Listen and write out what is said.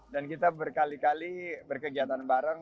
dan kita berkali kali berkegiatan bareng